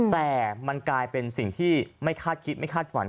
แต่มันกลายเป็นสิ่งที่ไม่คาดคิดไม่คาดฝัน